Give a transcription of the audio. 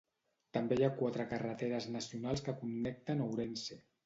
També hi ha quatre carreteres nacionals que connecten Ourense.